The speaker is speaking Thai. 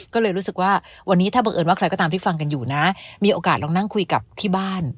ก็เลยรู้สึกว่าวันนี้ถ้าบังเอิญว่าใครก็ตามที่ฟังกันอยู่นะมีโอกาสลองนั่งคุยกับที่บ้าน